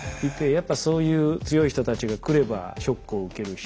やっぱそういう強い人たちが来ればショックを受けるし。